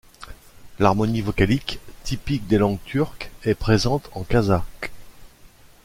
L’harmonie vocalique, typique des langues turques, est présente en kazakh.